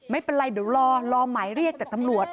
ไม่เป็นไรเดี๋ยวรอรอหมายเรียกจากตำรวจ